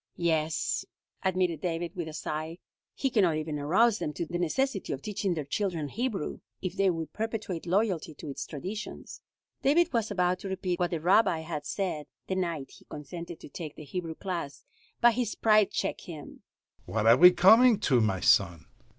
"Yes," admitted David, with a sigh. "He can not even arouse them to the necessity of teaching their children Hebrew, if they would perpetuate loyalty to its traditions." David was about to repeat what the Rabbi had said the night he consented to take the Hebrew class, but his pride checked him: "What are we coming to, my son?